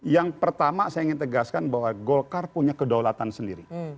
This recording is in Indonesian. yang pertama saya ingin tegaskan bahwa golkar punya kedaulatan sendiri